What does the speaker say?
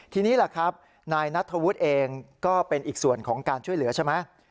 ทีนี้แหละครับนายนัทธวุฒิเองก็เป็นอีกส่วนของการช่วยเหลือใช่ไหม